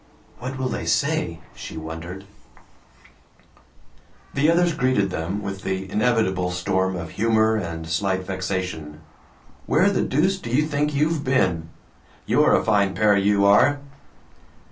"What will they say?" she wondered. The others greeted them with the inevitable storm of humor and slight vexation: "Where the deuce do you think you've been?" "You're a fine pair, you are!"